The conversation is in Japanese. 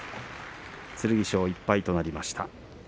剣翔、１敗となりました。